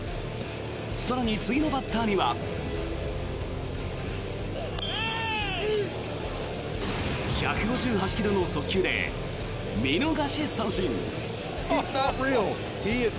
更に次のバッターには。１５８ｋｍの速球で見逃し三振。